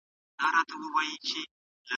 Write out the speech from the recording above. عاید لوړ شوی دی.